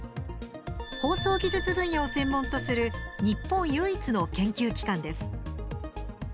放送技術分野を専門とする日本唯一の研究機関です。